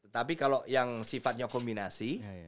tapi kalau yang sifatnya kombinasi